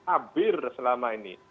abir selama ini